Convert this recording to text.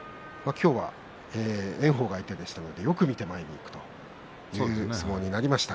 今日は炎鵬が相手でしたのでよく見て前に出る相撲になりました。